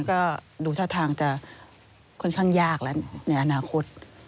ก็ดูท่าทางจะค่อนข้างยากแล้วในอนาคต